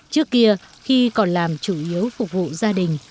trước kia khi còn làm chủ yếu phục vụ gia đình